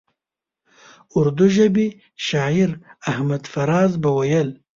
اردو ژبي شاعر احمد فراز به ویل.